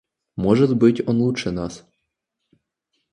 Может быть, он лучше нас.